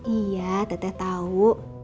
iya teteh tau